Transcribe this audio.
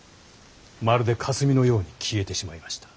まるで霞のように消えてしまいました。